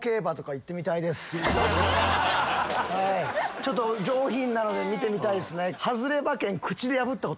ちょっと上品なので見てみたいですね。